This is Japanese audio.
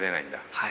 はい。